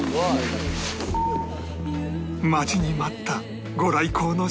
待ちに待った御来光の瞬間